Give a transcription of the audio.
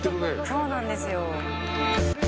「そうなんですよ」